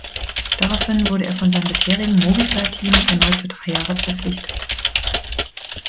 Daraufhin wurde er von seinem bisherigen Movistar Team erneut für drei Jahre verpflichtet.